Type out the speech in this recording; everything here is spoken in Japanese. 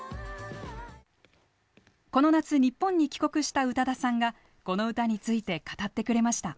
この夏日本に帰国した宇多田さんがこの歌について語ってくれました。